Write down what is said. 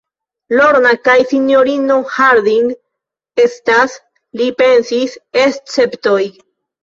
Lorna kaj sinjorino Harding estas, li pensis, esceptoj.